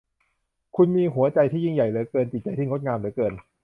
คุณมีหัวใจที่ยิ่งใหญ่เหลือเกิน จิตใจที่งดงามเหลือเกิน